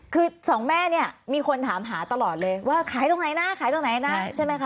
คือสองแม่เนี่ยมีคนถามหาตลอดเลยว่าขายตรงไหนนะขายตรงไหนนะใช่ไหมคะ